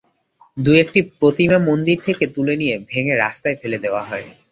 দু-একটি প্রতিমা মন্দির থেকে তুলে নিয়ে ভেঙে রাস্তায় ফেলে দেওয়া হয়।